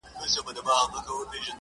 • د هنر له ګوتو جوړي ګلدستې وې -